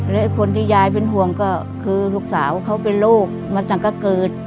และคนที่ยายเป็นห่วงก็คือลูกสาวเขาเป็นโรคมาตั้งแต่เกิด